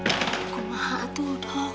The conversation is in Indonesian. aku mah atuh dok